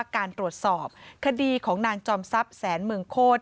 การตรวจสอบคดีของนางจอมทรัพย์แสนเมืองโคตร